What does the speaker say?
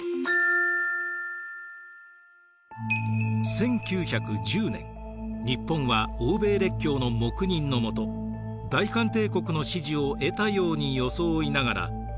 １９１０年日本は欧米列強の黙認のもと大韓帝国の支持を得たように装いながら韓国併合を行います。